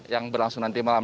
yang berlangsung nanti malam